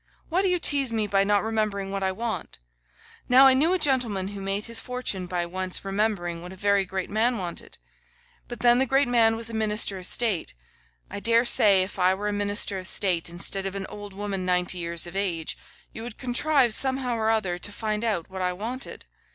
Why do you tease me by not remembering what I want? Now, I knew a gentleman who made his fortune by once remembering what a very great man wanted. But then the great man was a minister of state. I dare say if I were a minister of state, instead of an old woman ninety years of age, you would contrive somehow or other to find out what I wanted.